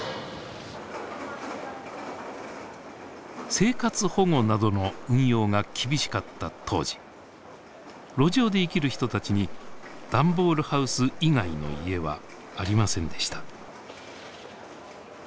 生活保護などの運用が厳しかった当時路上で生きる人たちにダンボールハウス以外の「家」はありませんでした。